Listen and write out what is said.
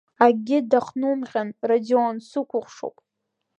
Акгьы дахҭнумҟьан, Радион, сукәыхшоуп.